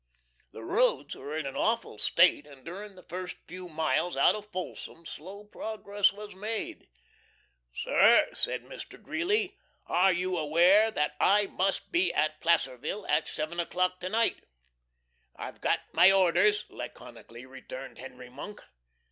The roads were in an awful state, and during the first few miles out of Folsom slow progress was made. "Sir," said Mr. Greeley, "are you aware that I MUST be at Placerville at 7 o'clock to night?" "I've got my orders!" laconically returned Henry Monk.